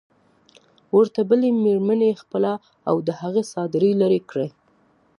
ورته بلې مېرمنې خپله او د هغې څادري لرې کړه.